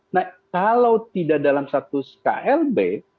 nah kalau tidak dalam status klb